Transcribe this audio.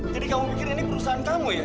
jadi kamu pikir ini perusahaan kamu ya